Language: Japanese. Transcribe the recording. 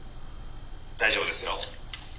「大丈夫ですよ」。